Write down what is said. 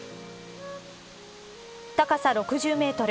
高さ６０メートル